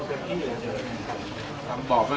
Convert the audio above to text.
มันเป็นแบบที่สุดท้ายแต่มันเป็นแบบที่สุดท้าย